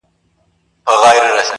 په زندان کي له یوسف سره اسیر یم،